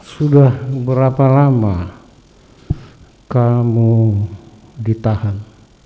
sudah berapa lama kamu ditahan